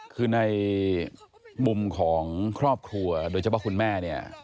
คือในมุมของครอบครัวโดยเฉพาะคุณแม่เนี่ย